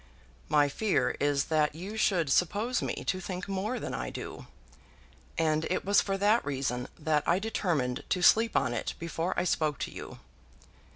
"My fear is that you should suppose me to think more than I do. And it was for that reason that I determined to sleep on it before I spoke to you."